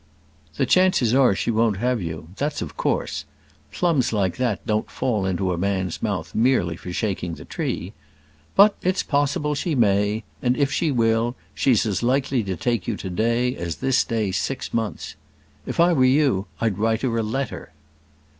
The chances are she won't have you that's of course; plums like that don't fall into a man's mouth merely for shaking the tree. But it's possible she may; and if she will, she's as likely to take you to day as this day six months. If I were you I'd write her a letter."